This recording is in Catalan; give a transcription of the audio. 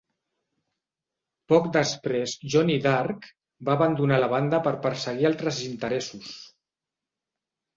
Poc després, Johnny Dark va abandonar la banda per perseguir altres interessos.